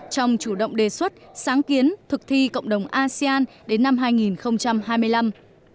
trong chủ động đề xuất sáng kiến thực thi cộng đồng asean đến năm hai nghìn hai mươi năm